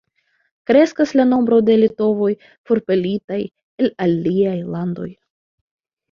Kreskas la nombro de litovoj forpelitaj el aliaj landoj.